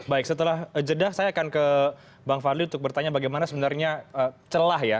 baik setelah jeda saya akan ke bang fadli untuk bertanya bagaimana sebenarnya celah ya